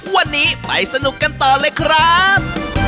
วันนี้ไปสนุกกันต่อเลยครับ